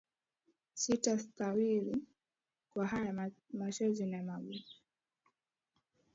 Sitafsiriwi kwa haya, machozi na magumu